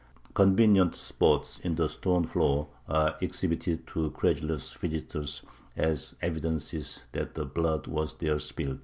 Convenient spots in the stone floor are exhibited to credulous visitors as evidences that the blood was there spilt.